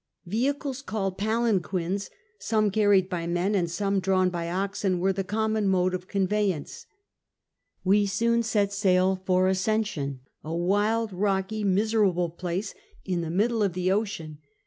Vehicles called '' palanquines, '' some carried by men and some drawn by oxen, were the common mode of conveyance. "We soon set sail for Ascension, a wild, rocky, miserable place in the middle of the SKETCHES OF TRAVEL ocean.